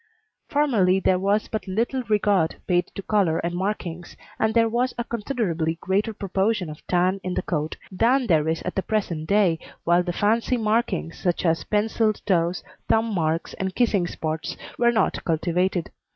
Formerly there was but little regard paid to colour and markings, and there was a considerably greater proportion of tan in the coat than there is at the present day, while the fancy markings, such as pencilled toes, thumb marks, and kissing spots were not cultivated.